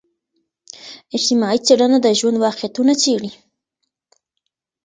اجتماعي څېړنه د ژوند واقعتونه څیړي.